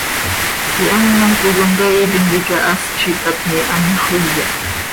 Ihamoc quih comcaii tintica hast z itatni, anxö iya.